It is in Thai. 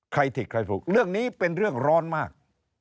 ถีกใครถูกเรื่องนี้เป็นเรื่องร้อนมาก